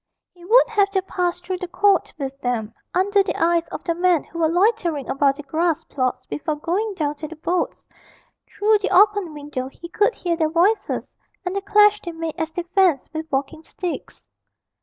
He would have to pass through the court with them, under the eyes of the men who were loitering about the grass plots before going down to the boats; through the open window he could hear their voices, and the clash they made as they fenced with walking sticks.